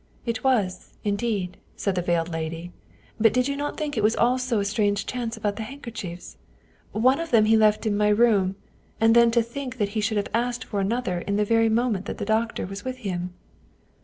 " It was, indeed," said the veiled lady. " But did you not think it was also a strange chance about the handker chiefs ? One of them he left in my room, and then to think that he should have asked for another in the very moment that the doctor was with him."